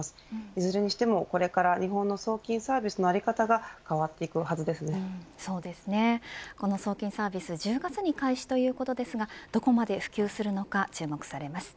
いずれにしても、これから日本の送金サービスのあり方がこの送金サービス１０月に開始とのことですがどこまで普及するのか注目されます。